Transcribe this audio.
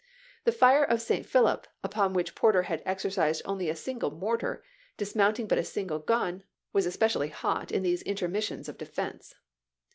The fire of St. Philip, upon which Porter had exercised only a single mortar, dismountiug but a single gun, was especially hot in these inter missions of defense.